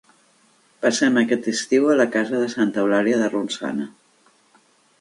Passem aquest estiu a la casa de Santa Eulàlia de Ronçana.